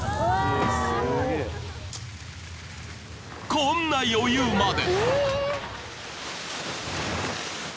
［こんな余裕まで］